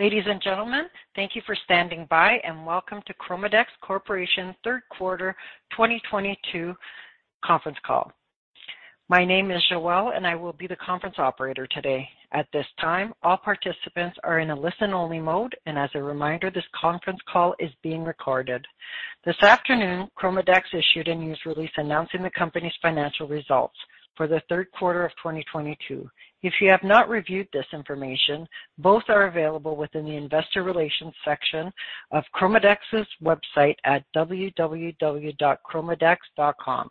Ladies and gentlemen, thank you for standing by, and welcome to ChromaDex Corporation Third Quarter 2022 Conference Call. My name is Joelle, and I will be the conference operator today. At this time, all participants are in a listen-only mode. As a reminder, this conference call is being recorded. This afternoon, ChromaDex issued a news release announcing the company's financial results for the third quarter of 2022. If you have not reviewed this information, both are available within the investor relations section of ChromaDex's website at www.chromadex.com.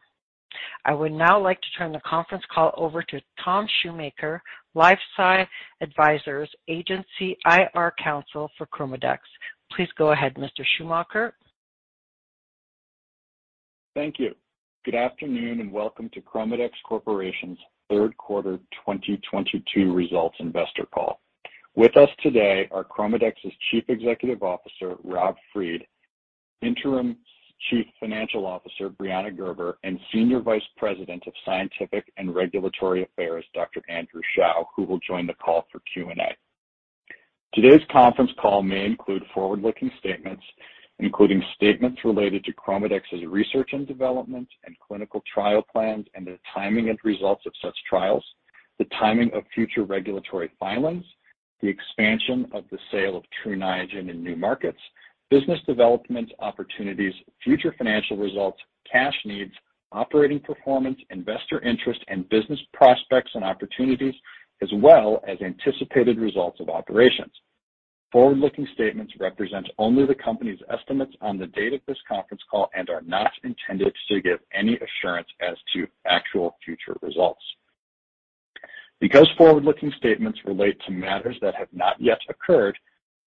I would now like to turn the conference call over to Tom Shumaker, LifeSci Advisors, agency IR counsel for ChromaDex. Please go ahead, Mr. Shumaker. Thank you. Good afternoon, and welcome to ChromaDex Corporation's third quarter 2022 results investor call. With us today are ChromaDex's Chief Executive Officer, Rob Fried; Interim Chief Financial Officer, Brianna Gerber; and Senior Vice President of Scientific and Regulatory Affairs, Dr. Andrew Shao, who will join the call for Q&A. Today's conference call may include forward-looking statements, including statements related to ChromaDex's research and development and clinical trial plans and the timing and results of such trials, the timing of future regulatory filings, the expansion of the sale of Tru Niagen in new markets, business development opportunities, future financial results, cash needs, operating performance, investor interest, and business prospects and opportunities, as well as anticipated results of operations. Forward-looking statements represent only the company's estimates on the date of this conference call and are not intended to give any assurance as to actual future results. Because forward-looking statements relate to matters that have not yet occurred,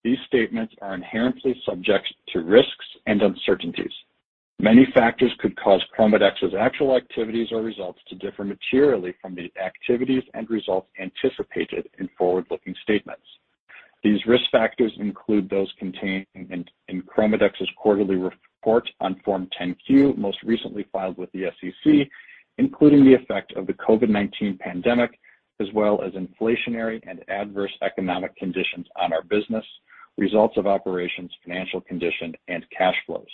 these statements are inherently subject to risks and uncertainties. Many factors could cause ChromaDex's actual activities or results to differ materially from the activities and results anticipated in forward-looking statements. These risk factors include those contained in ChromaDex's quarterly report on Form 10-Q, most recently filed with the SEC, including the effect of the COVID-19 pandemic as well as inflationary and adverse economic conditions on our business, results of operations, financial condition, and cash flows.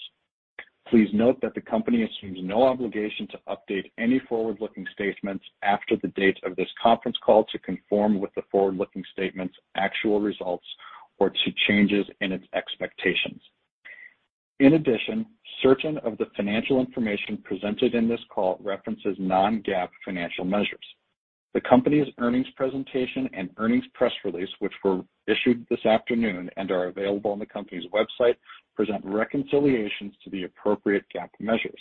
Please note that the company assumes no obligation to update any forward-looking statements after the date of this conference call to conform with the forward-looking statements' actual results or to changes in its expectations. In addition, certain of the financial information presented in this call references non-GAAP financial measures. The company's earnings presentation and earnings press release, which were issued this afternoon and are available on the company's website, present reconciliations to the appropriate GAAP measures.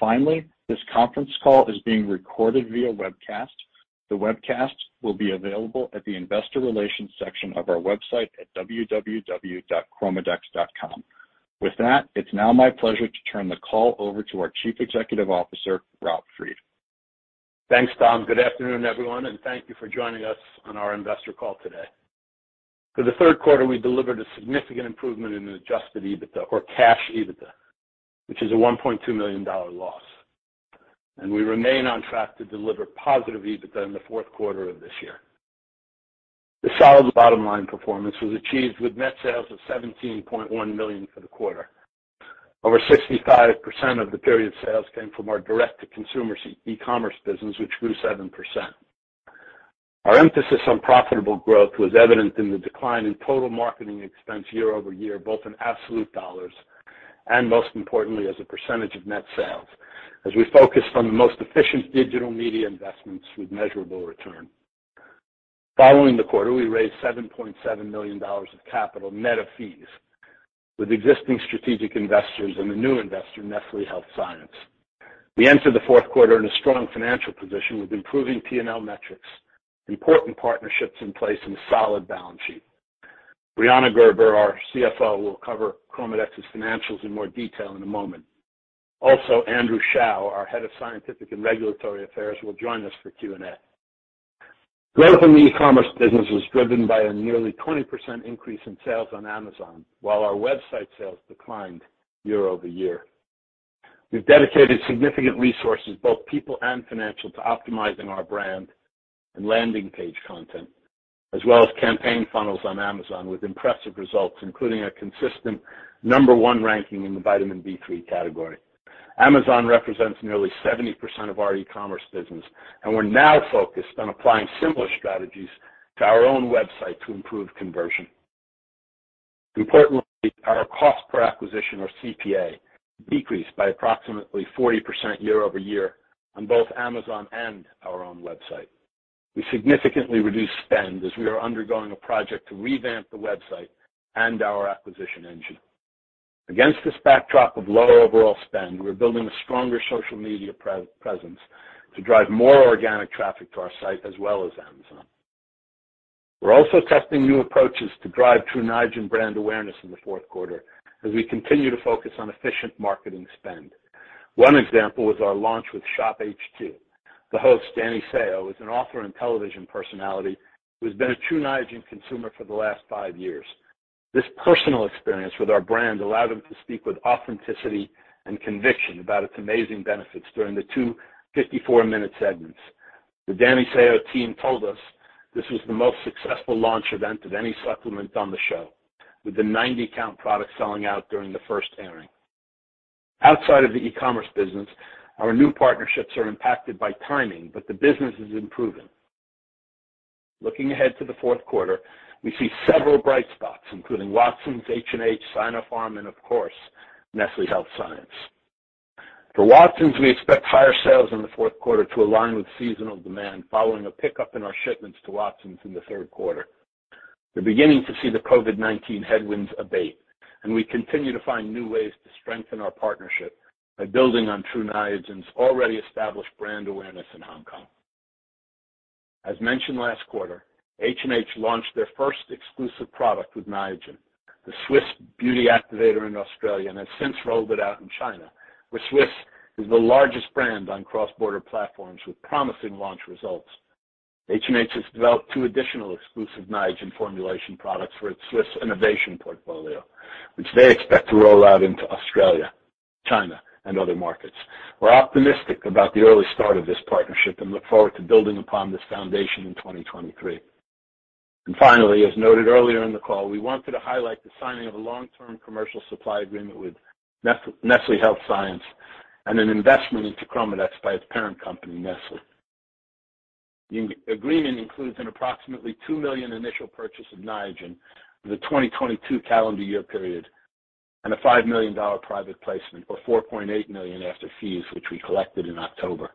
Finally, this conference call is being recorded via webcast. The webcast will be available at the investor relations section of our website at www.ChromaDex.com. With that, it's now my pleasure to turn the call over to our Chief Executive Officer, Rob Fried. Thanks, Tom. Good afternoon, everyone, and thank you for joining us on our investor call today. For the third quarter, we delivered a significant improvement in adjusted EBITDA or cash EBITDA, which is a $1.2 million loss. We remain on track to deliver positive EBITDA in the fourth quarter of this year. The solid bottom line performance was achieved with net sales of $17.1 million for the quarter. Over 65% of the period sales came from our direct-to-consumer e-commerce business, which grew 7%. Our emphasis on profitable growth was evident in the decline in total marketing expense year-over-year, both in absolute dollars and most importantly, as a percentage of net sales as we focus on the most efficient digital media investments with measurable return. Following the quarter, we raised $7.7 million of capital net of fees with existing strategic investors and the new investor, Nestlé Health Science. We enter the fourth quarter in a strong financial position with improving P&L metrics, important partnerships in place, and a solid balance sheet. Brianna Gerber, our CFO, will cover ChromaDex's financials in more detail in a moment. Also, Andrew Shao, our Head of Scientific and Regulatory Affairs, will join us for Q&A. Growth in the e-commerce business was driven by a nearly 20% increase in sales on Amazon while our website sales declined year-over-year. We've dedicated significant resources, both people and financial, to optimizing our brand and landing page content, as well as campaign funnels on Amazon with impressive results, including a consistent number one ranking in the vitamin B3 category. Amazon represents nearly 70% of our e-commerce business, and we're now focused on applying similar strategies to our own website to improve conversion. Importantly, our cost per acquisition or CPA decreased by approximately 40% year-over-year on both Amazon and our own website. We significantly reduced spend as we are undergoing a project to revamp the website and our acquisition engine. Against this backdrop of lower overall spend, we're building a stronger social media presence to drive more organic traffic to our site as well as Amazon. We're also testing new approaches to drive Tru Niagen brand awareness in the fourth quarter as we continue to focus on efficient marketing spend. One example was our launch with ShopHQ. The host, Danny Seo, is an author and television personality who has been a Tru Niagen consumer for the last 5 years. This personal experience with our brand allowed him to speak with authenticity and conviction about its amazing benefits during the 2:54-minute segments. The Danny Seo team told us this was the most successful launch event of any supplement on the show, with the 90-count product selling out during the first airing. Outside of the e-commerce business, our new partnerships are impacted by timing, but the business is improving. Looking ahead to the fourth quarter, we see several bright spots, including Watsons, H&H, Sinopharm, and of course, Nestlé Health Science. For Watsons, we expect higher sales in the fourth quarter to align with seasonal demand following a pickup in our shipments to Watsons in the third quarter. We're beginning to see the COVID-19 headwinds abate, and we continue to find new ways to strengthen our partnership by building on Tru Niagen's already established brand awareness in Hong Kong. As mentioned last quarter, H&H launched their first exclusive product with Niagen, the Swisse beauty activator in Australia, and has since rolled it out in China, where Swisse is the largest brand on cross-border platforms with promising launch results. H&H has developed two additional exclusive Niagen formulation products for its Swisse innovation portfolio, which they expect to roll out into Australia, China, and other markets. We're optimistic about the early start of this partnership and look forward to building upon this foundation in 2023. Finally, as noted earlier in the call, we wanted to highlight the signing of a long-term commercial supply agreement with Nestlé Health Science and an investment into ChromaDex by its parent company, Nestlé. The agreement includes an approximately $2 million initial purchase of Niagen for the 2022 calendar year period and a $5 million private placement, or $4.8 million after fees, which we collected in October.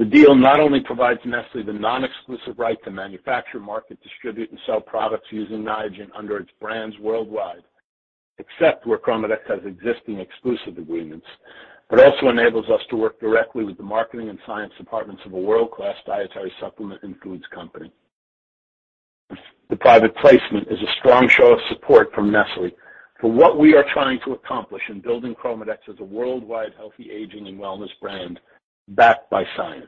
The deal not only provides Nestlé the non-exclusive right to manufacture, market, distribute, and sell products using Niagen under its brands worldwide, except where ChromaDex has existing exclusive agreements, but also enables us to work directly with the marketing and science departments of a world-class dietary supplement and foods company. The private placement is a strong show of support from Nestlé for what we are trying to accomplish in building ChromaDex as a worldwide healthy aging and wellness brand backed by science.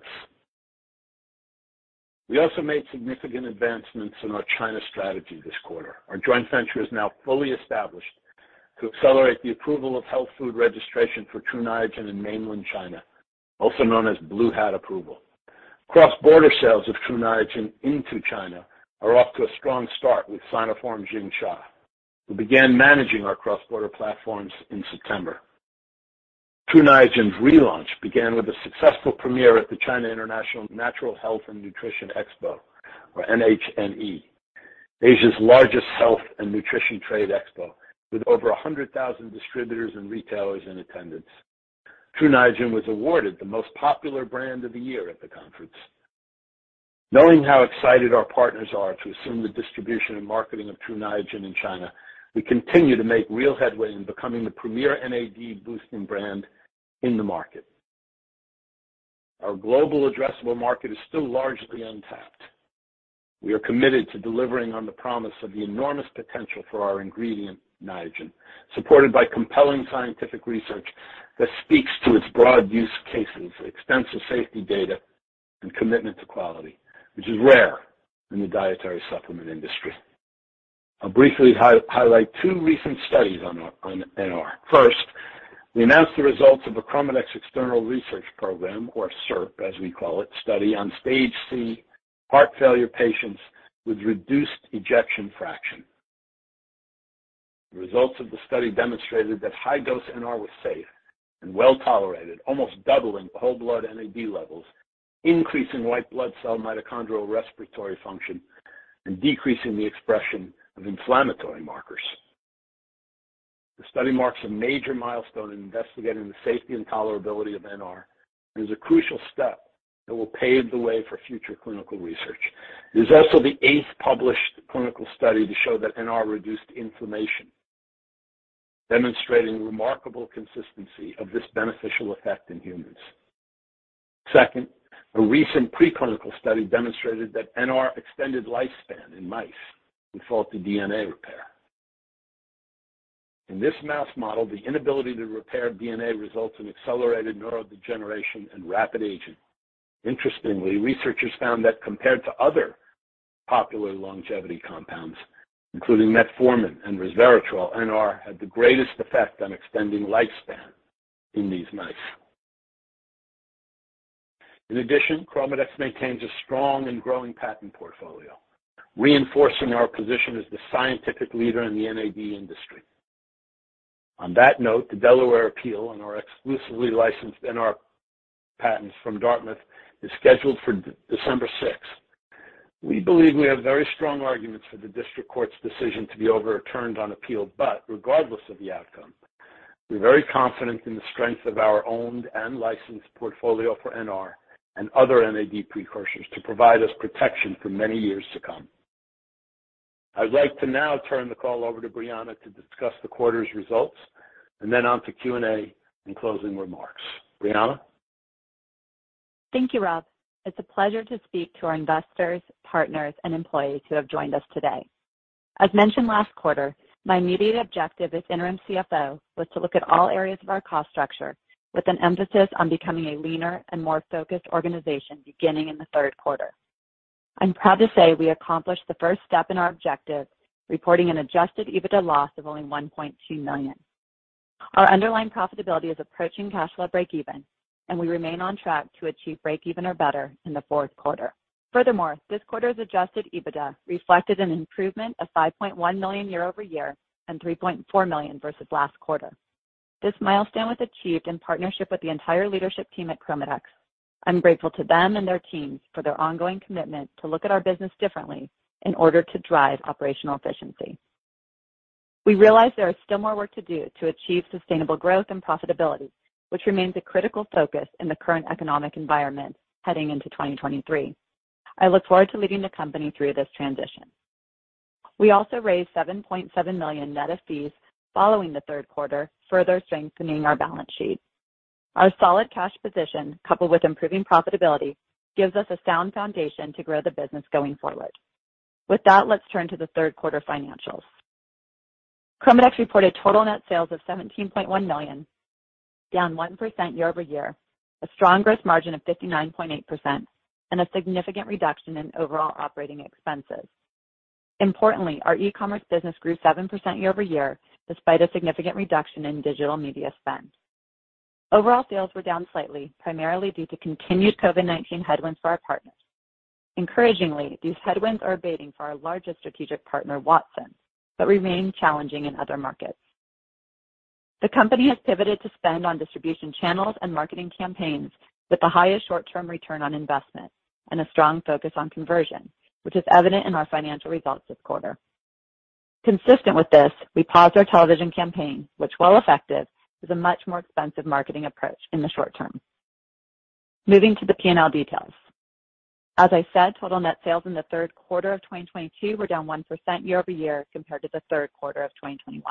We also made significant advancements in our China strategy this quarter. Our joint venture is now fully established to accelerate the approval of health food registration for Tru Niagen in Mainland China, also known as Blue Hat approval. Cross-border sales of Tru Niagen into China are off to a strong start with Sinopharm Xingsha, who began managing our cross-border platforms in September. Tru Niagen's relaunch began with a successful premiere at the China International Natural Health and Nutrition Expo, or NHNE, Asia's largest health and nutrition trade expo, with over 100,000 distributors and retailers in attendance. Tru Niagen was awarded the most popular brand of the year at the conference. Knowing how excited our partners are to assume the distribution and marketing of Tru Niagen in China, we continue to make real headway in becoming the premier NAD-boosting brand in the market. Our global addressable market is still largely untapped. We are committed to delivering on the promise of the enormous potential for our ingredient Niagen, supported by compelling scientific research that speaks to its broad use cases, extensive safety data, and commitment to quality, which is rare in the dietary supplement industry. I'll briefly highlight two recent studies on NR. First, we announced the results of a ChromaDex external research program, or CERP, as we call it, study on stage C heart failure patients with reduced ejection fraction. The results of the study demonstrated that high-dose NR was safe and well-tolerated, almost doubling whole blood NAD levels, increasing white blood cell mitochondrial respiratory function, and decreasing the expression of inflammatory markers. The study marks a major milestone in investigating the safety and tolerability of NR and is a crucial step that will pave the way for future clinical research. It is also the eighth published clinical study to show that NR reduced inflammation, demonstrating remarkable consistency of this beneficial effect in humans. Second, a recent preclinical study demonstrated that NR extended lifespan in mice in faulty DNA repair. In this mouse model, the inability to repair DNA results in accelerated neurodegeneration and rapid aging. Interestingly, researchers found that compared to other popular longevity compounds, including metformin and resveratrol, NR had the greatest effect on extending lifespan in these mice. In addition, ChromaDex maintains a strong and growing patent portfolio, reinforcing our position as the scientific leader in the NAD industry. On that note, the Delaware appeal on our exclusively licensed NR patents from Dartmouth is scheduled for December sixth. We believe we have very strong arguments for the district court's decision to be overturned on appeal, but regardless of the outcome, we're very confident in the strength of our owned and licensed portfolio for NR and other NAD precursors to provide us protection for many years to come. I'd like to now turn the call over to Brianna to discuss the quarter's results, and then on to Q&A and closing remarks. Brianna? Thank you, Rob. It's a pleasure to speak to our investors, partners, and employees who have joined us today. As mentioned last quarter, my immediate objective as interim CFO was to look at all areas of our cost structure with an emphasis on becoming a leaner and more focused organization beginning in the third quarter. I'm proud to say we accomplished the first step in our objective, reporting an adjusted EBITDA loss of only $1.2 million. Our underlying profitability is approaching cash flow breakeven, and we remain on track to achieve breakeven or better in the fourth quarter. Furthermore, this quarter's adjusted EBITDA reflected an improvement of $5.1 million year-over-year and $3.4 million versus last quarter. This milestone was achieved in partnership with the entire leadership team at ChromaDex. I'm grateful to them and their teams for their ongoing commitment to look at our business differently in order to drive operational efficiency. We realize there is still more work to do to achieve sustainable growth and profitability, which remains a critical focus in the current economic environment heading into 2023. I look forward to leading the company through this transition. We also raised $7.7 million net of fees following the third quarter, further strengthening our balance sheet. Our solid cash position, coupled with improving profitability, gives us a sound foundation to grow the business going forward. With that, let's turn to the third quarter financials. ChromaDex reported total net sales of $17.1 million, down 1% year-over-year, a strong gross margin of 59.8%, and a significant reduction in overall operating expenses. Importantly, our e-commerce business grew 7% year-over-year despite a significant reduction in digital media spend. Overall sales were down slightly, primarily due to continued COVID-19 headwinds for our partners. Encouragingly, these headwinds are abating for our largest strategic partner, Watsons, but remain challenging in other markets. The company has pivoted to spend on distribution channels and marketing campaigns with the highest short-term return on investment and a strong focus on conversion, which is evident in our financial results this quarter. Consistent with this, we paused our television campaign, which while effective, is a much more expensive marketing approach in the short term. Moving to the P&L details. As I said, total net sales in the third quarter of 2022 were down 1% year-over-year compared to the third quarter of 2021,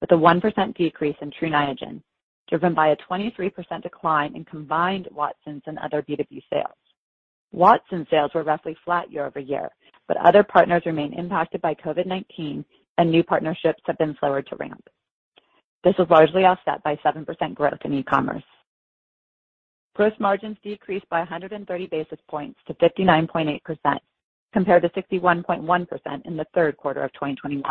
with a 1% decrease in Tru Niagen driven by a 23% decline in combined Watsons and other B2B sales. Watsons sales were roughly flat year-over-year, but other partners remain impacted by COVID-19 and new partnerships have been slower to ramp. This was largely offset by 7% growth in e-commerce. Gross margins decreased by 130 basis points to 59.8% compared to 61.1% in the third quarter of 2021.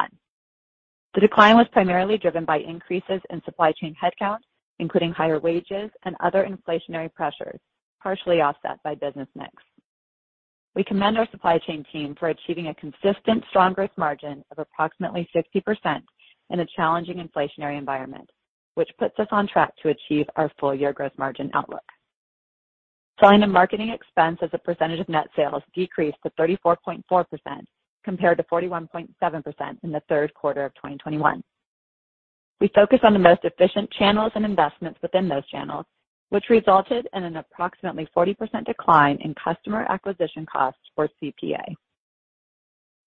The decline was primarily driven by increases in supply chain headcount, including higher wages and other inflationary pressures, partially offset by business mix. We commend our supply chain team for achieving a consistent strong growth margin of approximately 60% in a challenging inflationary environment, which puts us on track to achieve our full year growth margin outlook. Selling and marketing expense as a percentage of net sales decreased to 34.4% compared to 41.7% in the third quarter of 2021. We focused on the most efficient channels and investments within those channels, which resulted in an approximately 40% decline in customer acquisition costs for CPA.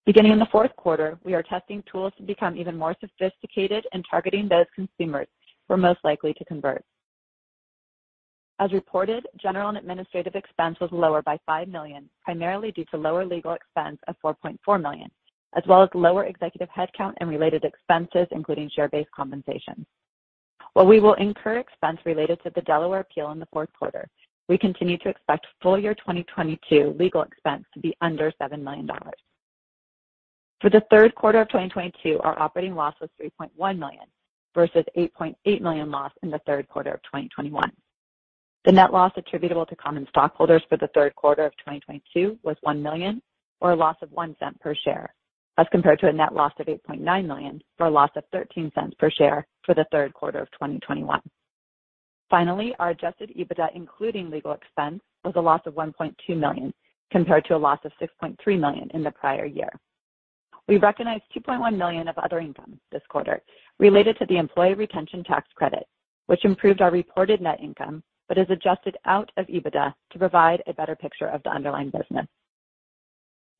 Beginning in the fourth quarter, we are testing tools to become even more sophisticated in targeting those consumers who are most likely to convert. As reported, general and administrative expense was lower by $5 million, primarily due to lower legal expense of $4.4 million, as well as lower executive headcount and related expenses, including share-based compensation. While we will incur expense related to the Delaware appeal in the fourth quarter, we continue to expect full year 2022 legal expense to be under $7 million. For the third quarter of 2022, our operating loss was $3.1 million versus $8.8 million loss in the third quarter of 2021. The net loss attributable to common stockholders for the third quarter of 2022 was $1 million or a loss of $0.01 per share, as compared to a net loss of $8.9 million for a loss of $0.13 per share for the third quarter of 2021. Finally, our adjusted EBITDA, including legal expense, was a loss of $1.2 million, compared to a loss of $6.3 million in the prior year. We recognized $2.1 million of other income this quarter related to the employee retention tax credit, which improved our reported net income, but is adjusted out of EBITDA to provide a better picture of the underlying business.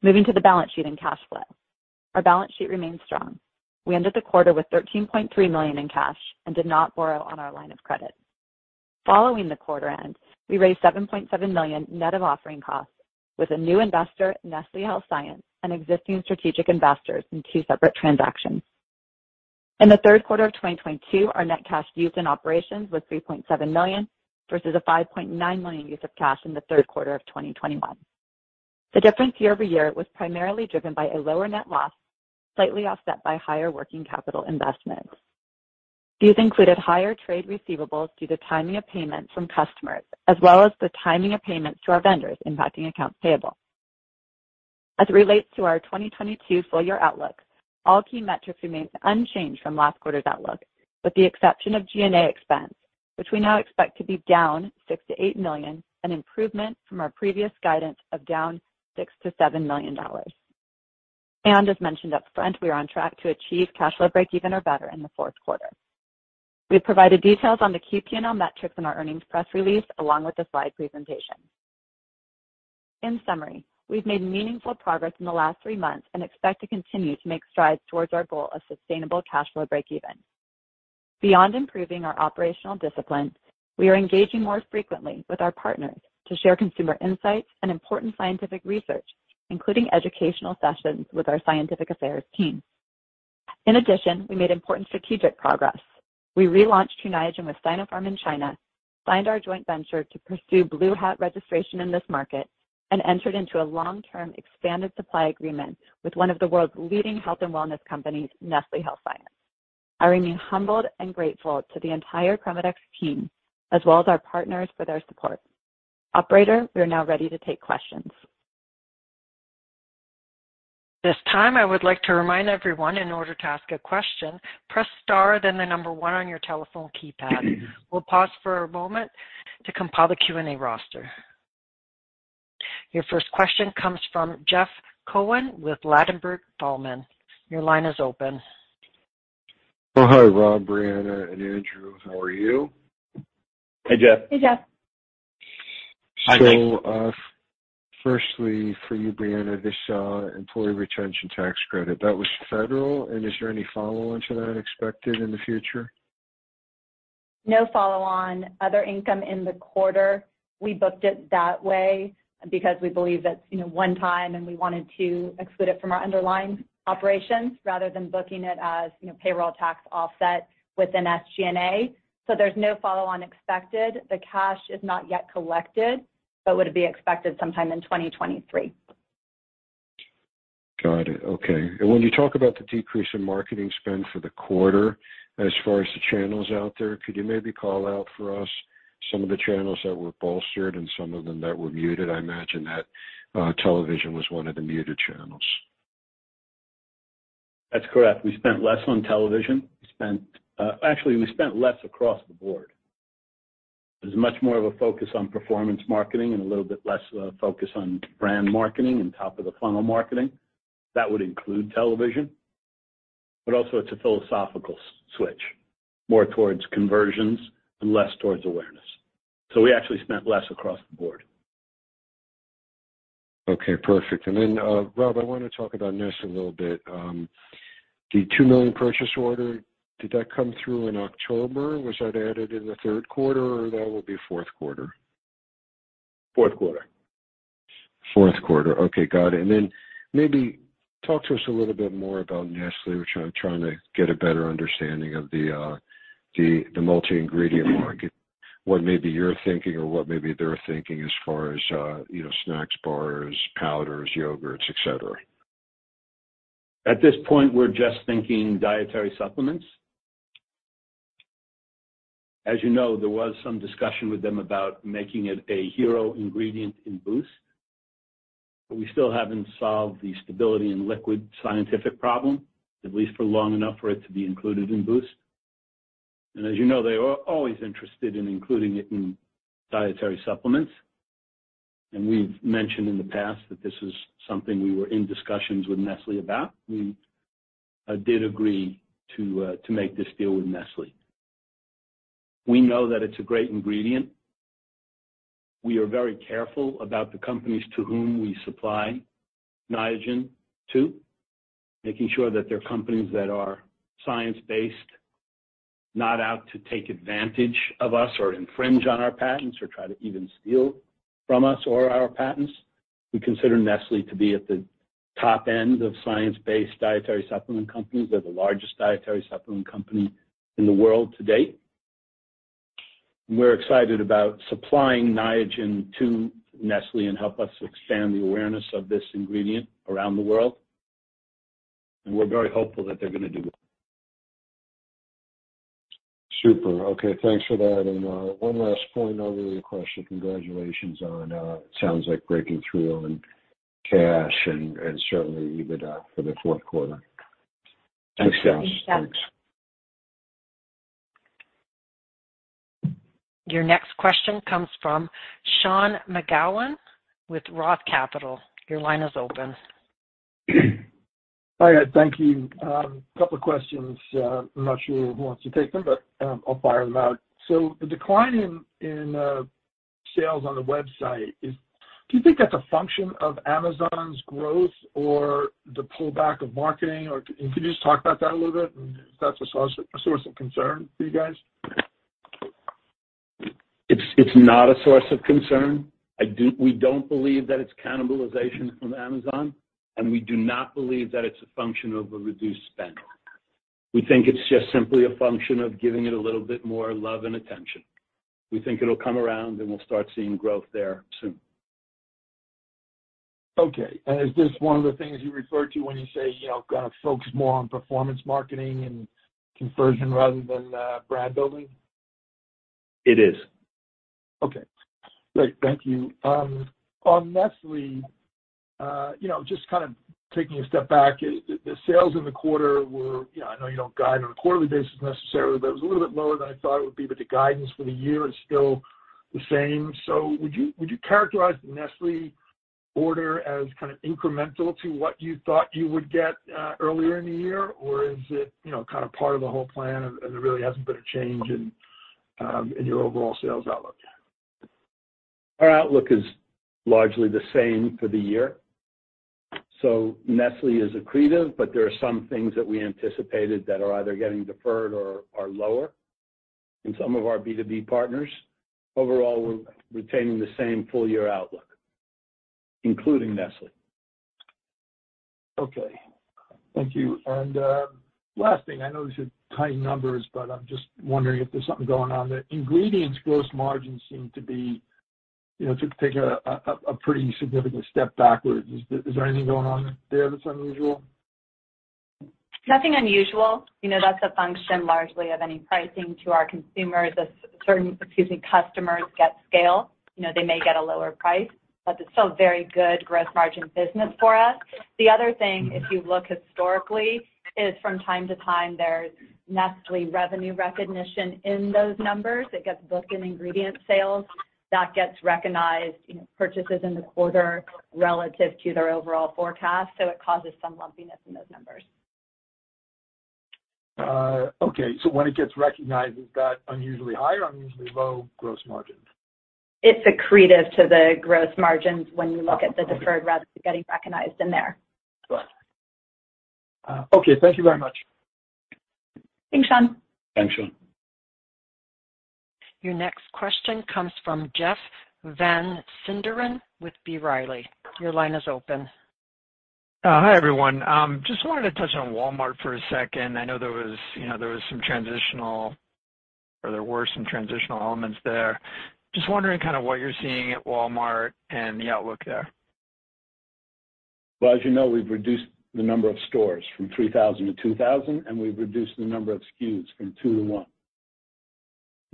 Moving to the balance sheet and cash flow. Our balance sheet remains strong. We ended the quarter with $13.3 million in cash and did not borrow on our line of credit. Following the quarter end, we raised $7.7 million net of offering costs with a new investor, Nestlé Health Science, and existing strategic investors in two separate transactions. In the third quarter of 2022, our net cash used in operations was $3.7 million, versus a $5.9 million use of cash in the third quarter of 2021. The difference year-over-year was primarily driven by a lower net loss, slightly offset by higher working capital investments. These included higher trade receivables due to timing of payments from customers, as well as the timing of payments to our vendors impacting accounts payable. As it relates to our 2022 full year outlook, all key metrics remain unchanged from last quarter's outlook, with the exception of G&A expense, which we now expect to be down $6 million-$8 million, an improvement from our previous guidance of down $6 million-$7 million. As mentioned up front, we are on track to achieve cash flow breakeven or better in the fourth quarter. We've provided details on the key P&L metrics in our earnings press release along with the slide presentation. In summary, we've made meaningful progress in the last three months and expect to continue to make strides towards our goal of sustainable cash flow breakeven. Beyond improving our operational disciplines, we are engaging more frequently with our partners to share consumer insights and important scientific research, including educational sessions with our scientific affairs team. In addition, we made important strategic progress. We relaunched Niagen with Sinopharm in China, signed our joint venture to pursue Blue Hat registration in this market, and entered into a long-term expanded supply agreement with one of the world's leading health and wellness companies, Nestlé Health Science. I remain humbled and grateful to the entire ChromaDex team as well as our partners for their support. Operator, we are now ready to take questions. At this time, I would like to remind everyone, in order to ask a question, press star then the number one on your telephone keypad. We'll pause for a moment to compile the Q&A roster. Your first question comes from Jeff Cohen with Ladenburg Thalmann. Your line is open. Oh, hi, Rob, Brianna, and Andrew. How are you? Hey, Jeff. Hey, Jeff. Firstly for you, Brianna, this employee retention tax credit, that was federal, and is there any follow on to that expected in the future? No follow on other income in the quarter. We booked it that way because we believe that's, you know, one time, and we wanted to exclude it from our underlying operations rather than booking it as, you know, payroll tax offset within SG&A. There's no follow on expected. The cash is not yet collected, but would be expected sometime in 2023. Got it. Okay. When you talk about the decrease in marketing spend for the quarter, as far as the channels out there, could you maybe call out for us some of the channels that were bolstered and some of them that were muted? I imagine that, television was one of the muted channels. That's correct. We spent less on television. Actually, we spent less across the board. There's much more of a focus on performance marketing and a little bit less of a focus on brand marketing and top of the funnel marketing. That would include television, but also it's a philosophical switch, more towards conversions and less towards awareness. We actually spent less across the board. Okay, perfect. Rob, I want to talk about Nestlé a little bit. The $2 million purchase order, did that come through in October? Was that added in the third quarter, or that will be fourth quarter? Fourth quarter. Fourth quarter. Okay, got it. Then maybe talk to us a little bit more about Nestlé, which I'm trying to get a better understanding of the multi-ingredient market, what maybe you're thinking or what maybe they're thinking as far as, you know, snacks, bars, powders, yogurts, et cetera. At this point, we're just thinking dietary supplements. As you know, there was some discussion with them about making it a hero ingredient in Boost, but we still haven't solved the stability and liquid scientific problem, at least for long enough for it to be included in Boost. As you know, they are always interested in including it in dietary supplements. We've mentioned in the past that this is something we were in discussions with Nestlé about. We did agree to make this deal with Nestlé. We know that it's a great ingredient. We are very careful about the companies to whom we supply Niagen to, making sure that they're companies that are science-based, not out to take advantage of us or infringe on our patents or try to even steal from us or our patents. We consider Nestlé to be at the top end of science-based dietary supplement companies. They're the largest dietary supplement company in the world to date. We're excited about supplying Niagen to Nestlé and help us expand the awareness of this ingredient around the world. We're very hopeful that they're gonna do well. Super. Okay. Thanks for that. One last point, not really a question. Congratulations on, sounds like breaking through on cash and certainly EBITDA for the fourth quarter. Thanks, Jeff. Thanks, Jeff. Your next question comes from Sean McGowan with Roth Capital. Your line is open. Hi. Thank you. A couple of questions. I'm not sure who wants to take them, but I'll fire them out. The decline in sales on the website, do you think that's a function of Amazon's growth or the pullback of marketing? Or can you just talk about that a little bit, and if that's a source of concern for you guys? It's not a source of concern. We don't believe that it's cannibalization from Amazon, and we do not believe that it's a function of a reduced spend. We think it's just simply a function of giving it a little bit more love and attention. We think it'll come around, and we'll start seeing growth there soon. Okay. Is this one of the things you refer to when you say, you know, gotta focus more on performance marketing and conversion rather than, brand building? It is. Okay. Great. Thank you. On Nestlé, you know, just kind of taking a step back, the sales in the quarter were, you know, I know you don't guide on a quarterly basis necessarily, but it was a little bit lower than I thought it would be, but the guidance for the year is still the same. Would you characterize the Nestlé order as kind of incremental to what you thought you would get earlier in the year? Is it, you know, kind of part of the whole plan and there really hasn't been a change in your overall sales outlook? Our outlook is largely the same for the year. Nestlé is accretive, but there are some things that we anticipated that are either getting deferred or are lower in some of our B2B partners. Overall, we're retaining the same full-year outlook, including Nestlé. Okay. Thank you. Last thing, I know these are tight numbers, but I'm just wondering if there's something going on. The ingredients gross margins seem to be, you know, to take a pretty significant step backwards. Is there anything going on there that's unusual? Nothing unusual. You know, that's a function largely of any pricing to our consumers as certain customers get scale, you know, they may get a lower price, but it's still very good gross margin business for us. The other thing, if you look historically, is from time to time, there's Nestlé revenue recognition in those numbers. It gets booked in ingredient sales. That gets recognized in purchases in the quarter relative to their overall forecast, so it causes some lumpiness in those numbers. Okay, when it gets recognized, is that unusually high or unusually low gross margin? It's accretive to the gross margins when you look at the deferred rather than getting recognized in there. Right. Okay. Thank you very much. Thanks, Sean. Thanks, Sean. Your next question comes from Jeff Van Sinderen with B. Riley. Your line is open. Hi, everyone. Just wanted to touch on Walmart for a second. I know there were some transitional elements there. Just wondering kinda what you're seeing at Walmart and the outlook there. Well, as you know, we've reduced the number of stores from 3,000 to 2,000, and we've reduced the number of SKUs from 2 to 1.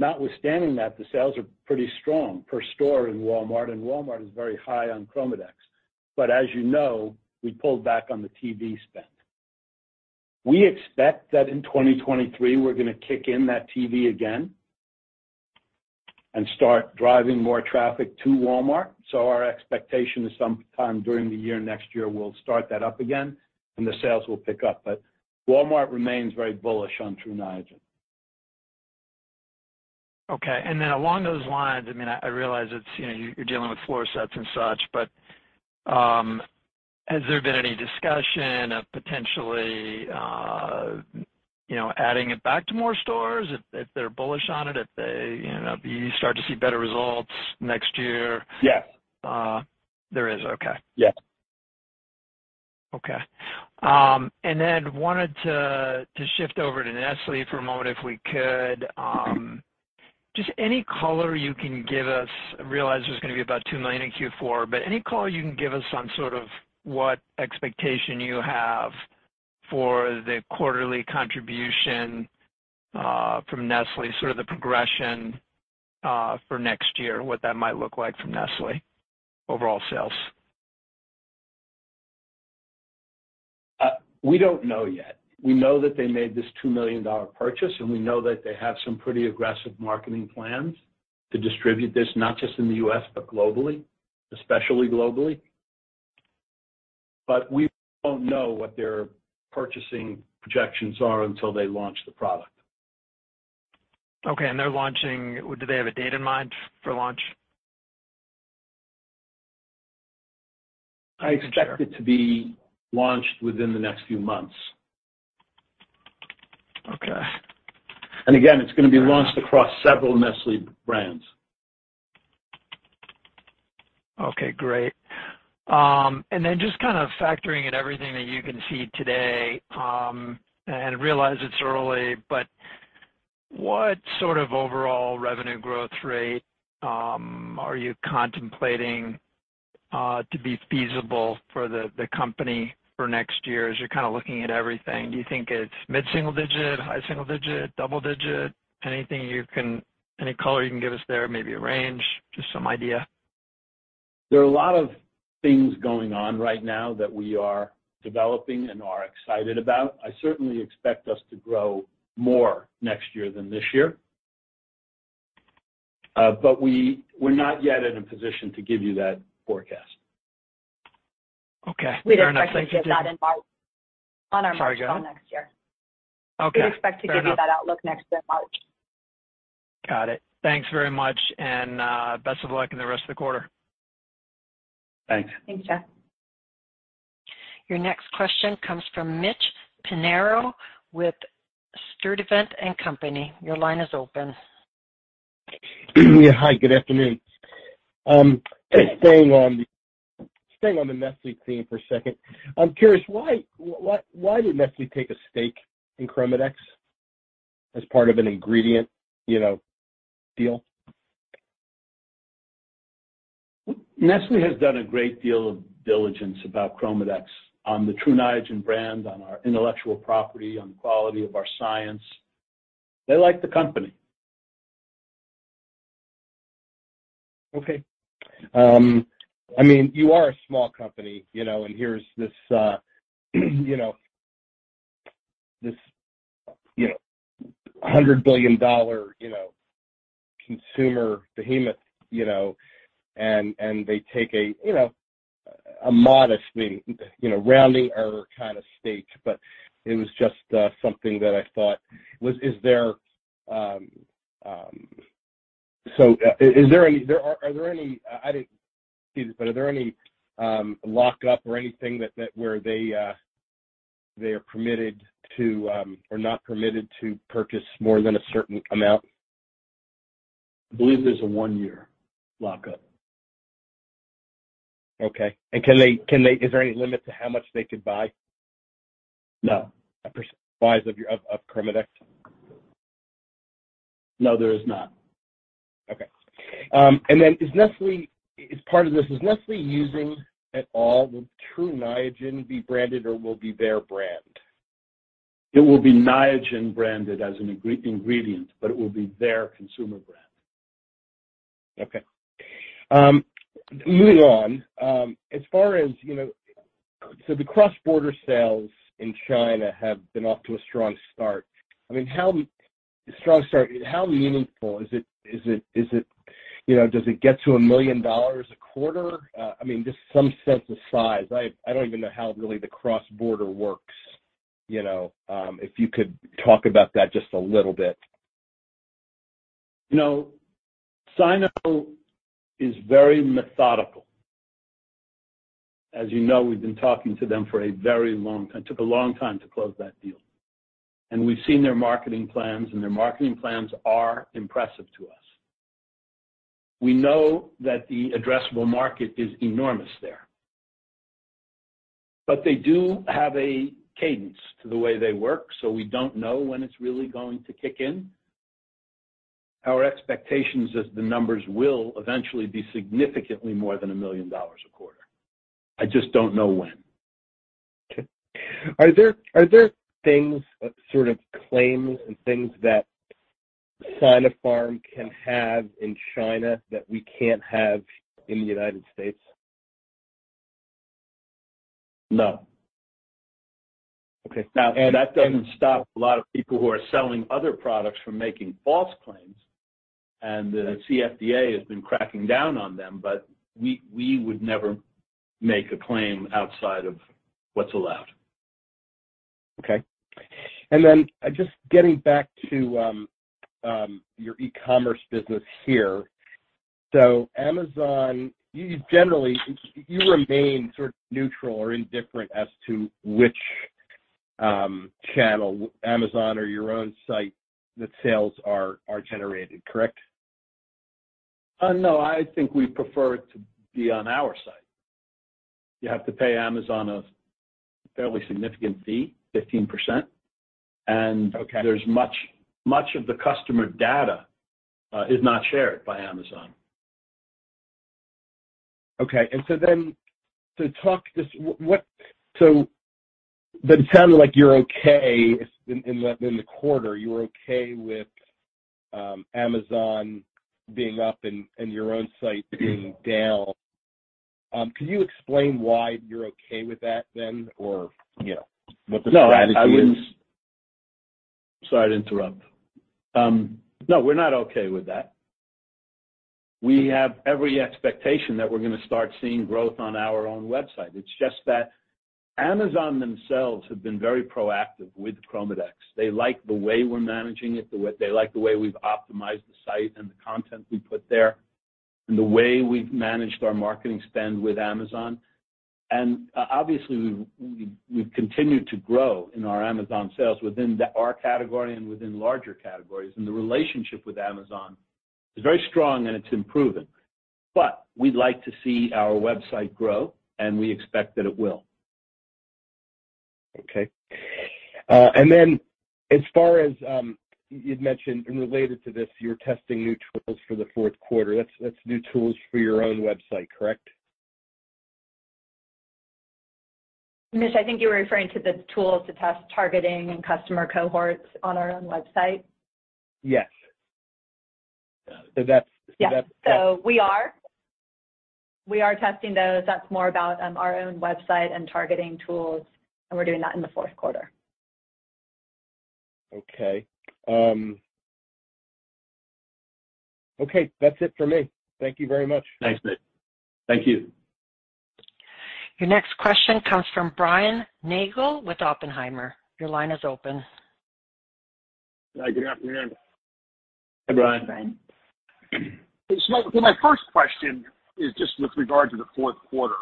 Notwithstanding that, the sales are pretty strong per store in Walmart, and Walmart is very high on ChromaDex. As you know, we pulled back on the TV spend. We expect that in 2023, we're gonna kick in that TV again and start driving more traffic to Walmart. Our expectation is some time during the year next year, we'll start that up again, and the sales will pick up. Walmart remains very bullish on Tru Niagen. Okay. Along those lines, I mean, I realize it's, you know, you're dealing with floor sets and such, but, has there been any discussion of potentially, you know, adding it back to more stores if they're bullish on it, you know, if you start to see better results next year? Yes. There is. Okay. Yes. Wanted to shift over to Nestlé for a moment, if we could. Just any color you can give us. I realize there's gonna be about $2 million in Q4, but any color you can give us on sort of what expectation you have for the quarterly contribution from Nestlé, sort of the progression for next year, what that might look like from Nestlé, overall sales? We don't know yet. We know that they made this $2 million purchase, and we know that they have some pretty aggressive marketing plans to distribute this not just in the US, but globally, especially globally. We don't know what their purchasing projections are until they launch the product. Okay. They're launching. Do they have a date in mind for launch? I expect it to be launched within the next few months. Okay. Again, it's gonna be launched across several Nestlé brands. Okay, great. Just kind of factoring in everything that you can see today, and realize it's early, but what sort of overall revenue growth rate are you contemplating to be feasible for the company for next year as you're kind of looking at everything? Do you think it's mid-single-digit%, high single-digit%, double-digit%? Any color you can give us there, maybe a range, just some idea. There are a lot of things going on right now that we are developing and are excited about. I certainly expect us to grow more next year than this year. We're not yet in a position to give you that forecast. Okay. Fair enough. Thank you. We'd expect to give that in March. On our March call next year. Sorry, go ahead. Okay. Fair enough. We'd expect to give you that outlook next in March. Got it. Thanks very much, and best of luck in the rest of the quarter. Thanks. Thanks, Jeff. Your next question comes from Mitchell Pinheiro with Stifel, Nicolaus & Co. Your line is open. Yeah. Hi, good afternoon. Staying on the Nestlé theme for a second, I'm curious why Nestlé take a stake in ChromaDex as part of an ingredient, you know, deal? Nestlé has done a great deal of diligence about ChromaDex on the Tru Niagen brand, on our intellectual property, on the quality of our science. They like the company. Okay. I mean, you are a small company, you know, and here's this, you know, this, you know, $100 billion consumer behemoth, you know, and they take a, you know, a modestly, you know, rounding error kind of stake, but it was just something that I thought. Is there any? Are there any? I didn't see this, but are there any lockup or anything that where they are permitted to or not permitted to purchase more than a certain amount? I believe there's a 1-year lockup. Okay. Can they? Is there any limit to how much they could buy? No. A purchase of your ChromaDex? No, there is not. Is Nestlé, as part of this, using the Tru Niagen branded at all or will it be their brand? It will be Niagen branded as an ingredient, but it will be their consumer brand. Okay. Moving on, as far as, you know, so the cross-border sales in China have been off to a strong start. I mean, how strong a start, how meaningful is it, you know, does it get to $1 million a quarter? I mean, just some sense of size. I don't even know how it really the cross-border works, you know. If you could talk about that just a little bit. You know, Sinopharm is very methodical. As you know, we've been talking to them for a very long time. It took a long time to close that deal. We've seen their marketing plans, and their marketing plans are impressive to us. We know that the addressable market is enormous there. They do have a cadence to the way they work, so we don't know when it's really going to kick in. Our expectations is the numbers will eventually be significantly more than $1 million a quarter. I just don't know when. Okay. Are there things, sort of claims and things that Sinopharm can have in China that we can't have in the United States? No. Okay. Now, that doesn't stop a lot of people who are selling other products from making false claims, and the CFDA has been cracking down on them, but we would never make a claim outside of what's allowed. Okay. Just getting back to your e-commerce business here. Amazon, you generally, you remain sort of neutral or indifferent as to which channel, Amazon or your own site, the sales are generated, correct? No, I think we prefer it to be on our site. You have to pay Amazon a fairly significant fee, 15%. Okay. There's much, much of the customer data is not shared by Amazon. Okay. It sounded like you're okay in the quarter, you were okay with Amazon being up and your own site being down. Can you explain why you're okay with that then, or you know, what the strategy is? No, I wouldn't. Sorry to interrupt. No, we're not okay with that. We have every expectation that we're gonna start seeing growth on our own website. It's just that Amazon themselves have been very proactive with ChromaDex. They like the way we're managing it. They like the way we've optimized the site and the content we put there, and the way we've managed our marketing spend with Amazon. Obviously, we've continued to grow in our Amazon sales within our category and within larger categories. The relationship with Amazon is very strong, and it's improving. We'd like to see our website grow, and we expect that it will. Okay. As far as you'd mentioned and related to this, you're testing new tools for the fourth quarter. That's new tools for your own website, correct? Mitch, I think you're referring to the tools to test targeting and customer cohorts on our own website. Yes. Is that? Yes. We are testing those. That's more about our own website and targeting tools, and we're doing that in the fourth quarter. Okay. That's it for me. Thank you very much. Thanks, Mitch. Thank you. Your next question comes from Brian Nagel with Oppenheimer. Your line is open. Hi, good afternoon. Hi, Brian. Hi, Brian. My first question is just with regard to the fourth quarter.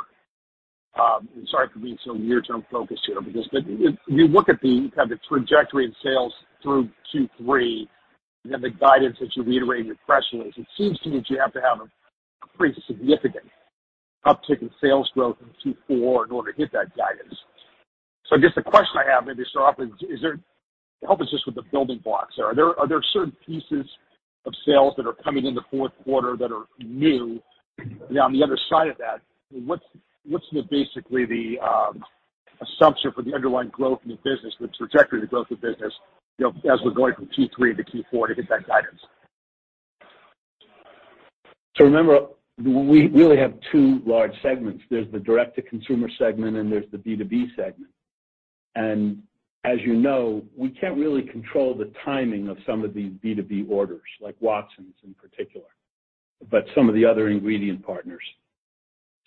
Sorry for being so near-term focused here, but if you look at the kind of trajectory of sales through Q3 and the guidance that you reiterated freshly, it seems to me that you have to have a pretty significant uptick in sales growth in Q4 in order to hit that guidance. I guess the question I have maybe to start off is there. Help us just with the building blocks. Are there certain pieces of sales that are coming in the fourth quarter that are new? And on the other side of that, what's basically the assumption for the underlying growth in the business, the trajectory of the growth of the business, you know, as we're going from Q3 to Q4 to hit that guidance? Remember, we really have two large segments. There's the direct-to-consumer segment, and there's the B2B segment. As you know, we can't really control the timing of some of these B2B orders, like Watsons in particular, but some of the other ingredient partners.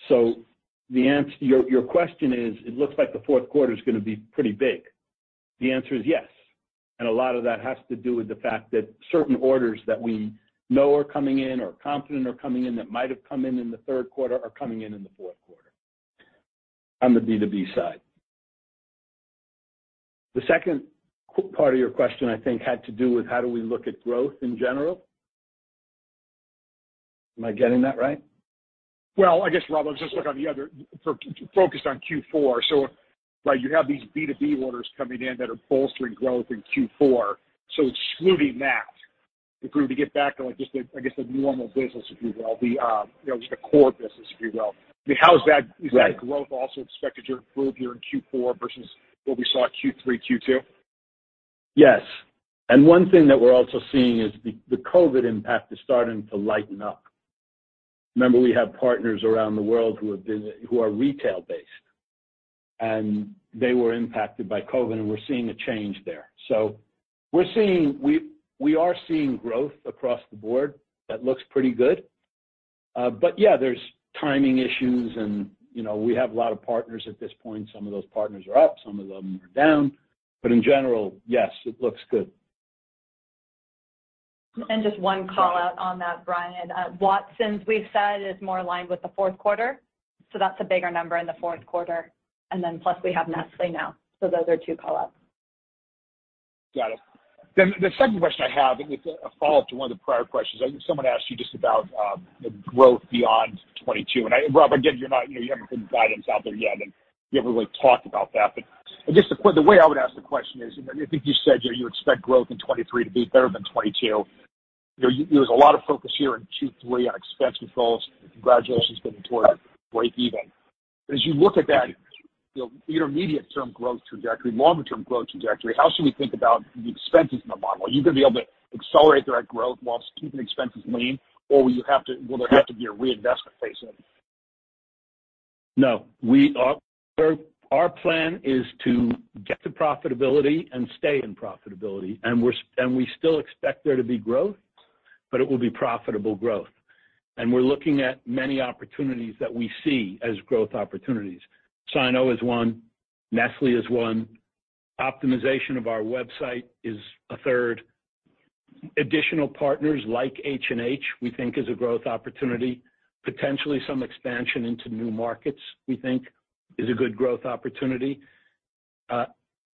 Your question is, it looks like the fourth quarter is gonna be pretty big. The answer is yes, and a lot of that has to do with the fact that certain orders that we know are coming in or confident are coming in that might have come in in the third quarter are coming in in the fourth quarter on the B2B side. The second part of your question, I think, had to do with how do we look at growth in general. Am I getting that right? Well, I guess, Rob, I'll just look focused on Q4. Like you have these B2B orders coming in that are bolstering growth in Q4. Excluding that, if we were to get back to like just the, I guess, the normal business, if you will, the, you know, just the core business, if you will. I mean, how is that? Right. Is that growth also expected to improve here in Q4 versus what we saw Q3, Q2? Yes. One thing that we're also seeing is the COVID impact is starting to lighten up. Remember, we have partners around the world who are retail-based, and they were impacted by COVID, and we're seeing a change there. We are seeing growth across the board that looks pretty good. Yeah, there's timing issues and, you know, we have a lot of partners at this point. Some of those partners are up, some of them are down. In general, yes, it looks good. Just one call-out on that, Brian. Watsons, we've said, is more aligned with the fourth quarter, so that's a bigger number in the fourth quarter. Then plus we have Nestlé now. Those are two call-outs. Got it. The second question I have is a follow-up to one of the prior questions. I think someone asked you just about the growth beyond 2022. Rob, again, you're not, you know, you haven't put the guidance out there yet, and you haven't really talked about that. Just the point, the way I would ask the question is, you know, I think you said, you know, you expect growth in 2023 to be better than 2022. You know, use a lot of focus here in Q3 on expense controls. Congratulations getting towards breakeven. As you look at that, you know, intermediate term growth trajectory, longer term growth trajectory, how should we think about the expenses in the model? Are you gonna be able to accelerate the right growth whilst keeping expenses lean, or will there have to be a reinvestment phase in? No. Our plan is to get to profitability and stay in profitability, and we still expect there to be growth, but it will be profitable growth. We're looking at many opportunities that we see as growth opportunities. Sino is one, Nestlé is one, optimization of our website is a third. Additional partners like H&H, we think is a growth opportunity. Potentially some expansion into new markets, we think is a good growth opportunity.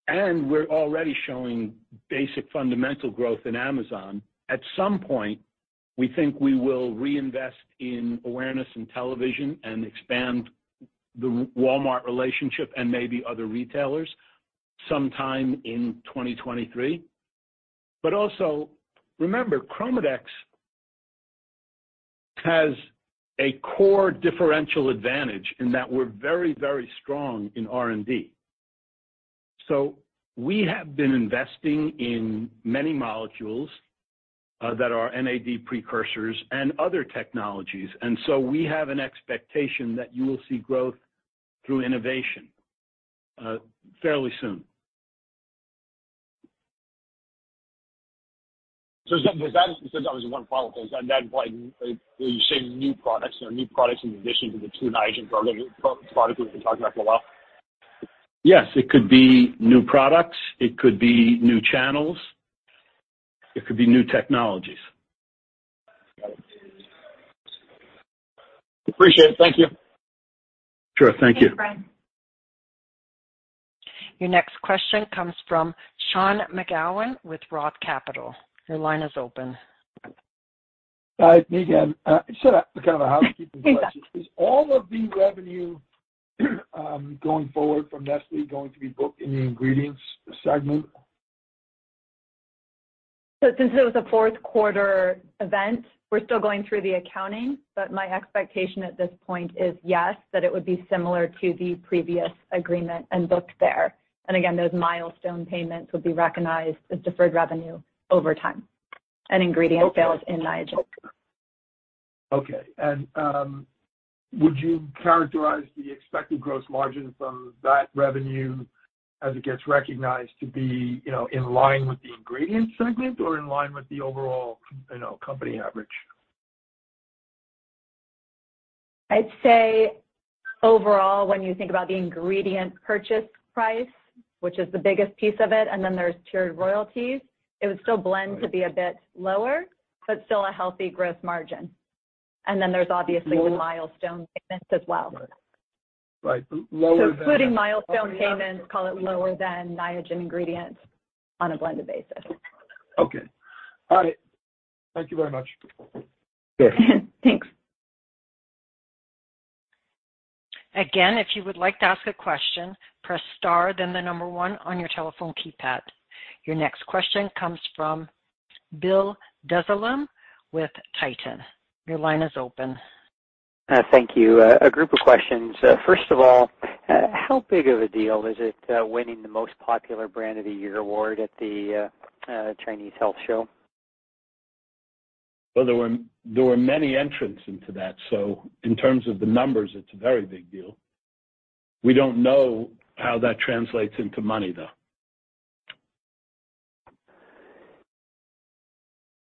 We're already showing basic fundamental growth in Amazon. At some point, we think we will reinvest in awareness in television and expand the Walmart relationship and maybe other retailers sometime in 2023. Remember, ChromaDex has a core differential advantage in that we're very, very strong in R&D. We have been investing in many molecules that are NAD precursors and other technologies. We have an expectation that you will see growth through innovation fairly soon. That was one follow-up. Is that like, when you say new products, you know, new products in addition to the two Niagen products we've been talking about for a while? Yes. It could be new products, it could be new channels, it could be new technologies. Got it. Appreciate it. Thank you. Sure. Thank you. Thanks, Brian. Your next question comes from Sean McGowan with Roth Capital. Your line is open. Hi, me again. Just a kind of a housekeeping question. Is all of the revenue going forward from Nestlé going to be booked in the ingredients segment? Since it was a fourth quarter event, we're still going through the accounting, but my expectation at this point is, yes, that it would be similar to the previous agreement and booked there. Again, those milestone payments would be recognized as deferred revenue over time and ingredient sales in Niagen. Okay. Would you characterize the expected gross margins from that revenue as it gets recognized to be, you know, in line with the ingredient segment or in line with the overall, you know, company average? I'd say overall, when you think about the ingredient purchase price, which is the biggest piece of it, and then there's tiered royalties, it would still blend to be a bit lower, but still a healthy growth margin. There's obviously the milestone payments as well. Right. Including milestone payments, call it lower than Niagen ingredients on a blended basis. Okay. All right. Thank you very much. Sure. Thanks. Again, if you would like to ask a question, press star then the number one on your telephone keypad. Your next question comes from Bill Desolim with Titan. Your line is open. Thank you. A group of questions. First of all, how big of a deal is it, winning the Most Popular Brand of the Year award at the China International Natural Health & Nutrition Expo (NHNE)? Well, there were many entrants into that. In terms of the numbers, it's a very big deal. We don't know how that translates into money, though.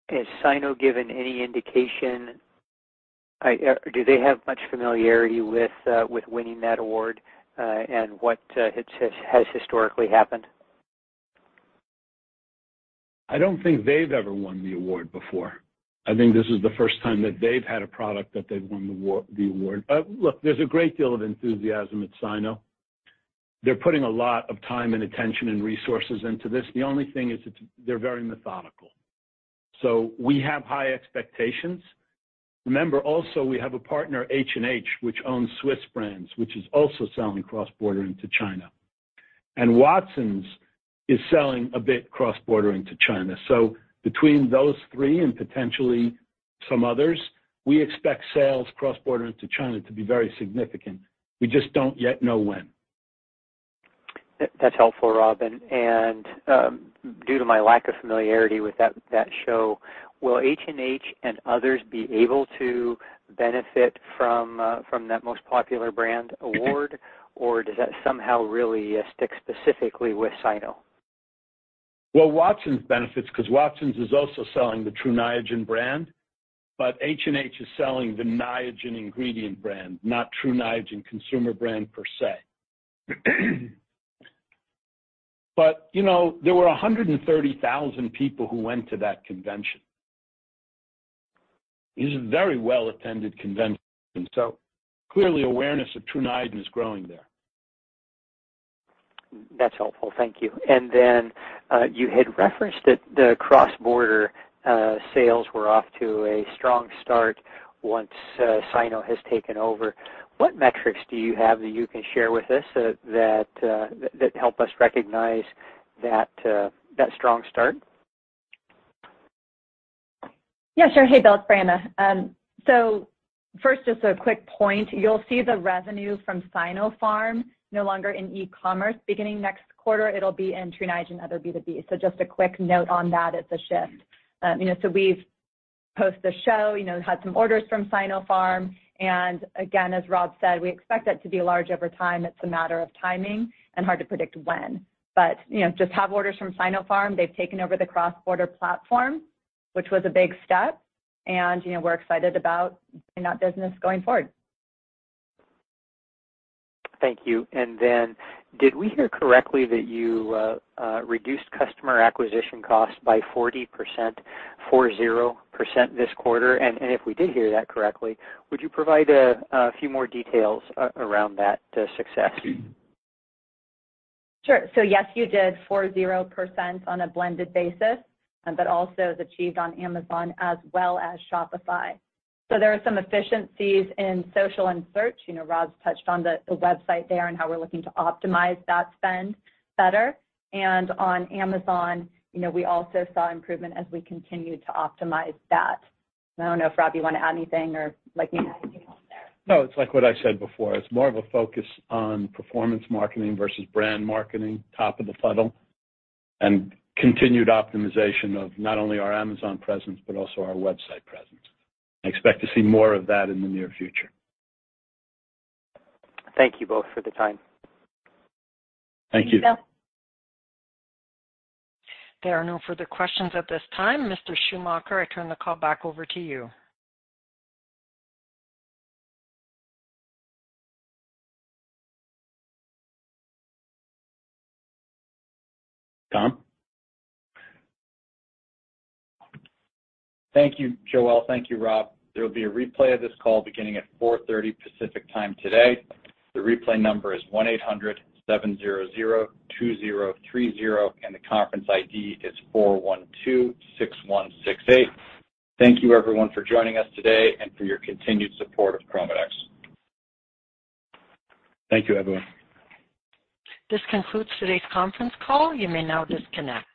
Has Sinopharm given any indication? Do they have much familiarity with winning that award, and what has historically happened? I don't think they've ever won the award before. I think this is the first time that they've had a product that they've won the award. Look, there's a great deal of enthusiasm at Sinopharm. They're putting a lot of time and attention and resources into this. The only thing is it's. They're very methodical. We have high expectations. Remember also we have a partner, H&H, which owns Swisse, which is also selling cross-border into China. Watsons is selling a bit cross-border into China. Between those three and potentially some others, we expect sales cross-border into China to be very significant. We just don't yet know when. That's helpful, Rob. Due to my lack of familiarity with that show, will H&H and others be able to benefit from that most popular brand award, or does that somehow really stick specifically with Sinopharm? Well, Watsons benefits because Watsons is also selling the Tru Niagen brand, but H&H is selling the Niagen ingredient brand, not Tru Niagen consumer brand per se. You know, there were 130,000 people who went to that convention. It was a very well-attended convention. Clearly awareness of Tru Niagen is growing there. That's helpful. Thank you. You had referenced that the cross-border sales were off to a strong start once Sinopharm has taken over. What metrics do you have that you can share with us that help us recognize that strong start? Yeah, sure. Hey, Bill, it's Brianna. First, just a quick point. You'll see the revenue from Sinopharm no longer in e-commerce. Beginning next quarter, it'll be in Tru Niagen and other B2B. Just a quick note on that, it's a shift. You know, we've post the show, you know, had some orders from Sinopharm. Again, as Rob said, we expect that to be large over time. It's a matter of timing and hard to predict when. You know, just have orders from Sinopharm. They've taken over the cross-border platform, which was a big step. You know, we're excited about bringing that business going forward. Thank you. Then did we hear correctly that you reduced customer acquisition costs by 40% this quarter? If we did hear that correctly, would you provide a few more details around that success? Sure. Yes, you did 40% on a blended basis, but also is achieved on Amazon as well as Shopify. There are some efficiencies in social and search. You know, Rob's touched on the website there and how we're looking to optimize that spend better. On Amazon, you know, we also saw improvement as we continued to optimize that. I don't know if Rob, you wanna add anything or like you had anything on there. No, it's like what I said before. It's more of a focus on performance marketing versus brand marketing, top of the funnel, and continued optimization of not only our Amazon presence, but also our website presence. I expect to see more of that in the near future. Thank you both for the time. Thank you. Thank you, Bill. There are no further questions at this time. Mr. Shumaker, I turn the call back over to you. Tom? Thank you, Joelle. Thank you, Rob. There will be a replay of this call beginning at 4:30 P.M. Pacific Time today. The replay number is 1-800-700-2030, and the conference ID is 4126168. Thank you everyone for joining us today and for your continued support of ChromaDex. Thank you, everyone. This concludes today's conference call. You may now disconnect.